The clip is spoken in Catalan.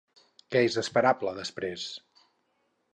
Què és esperable després?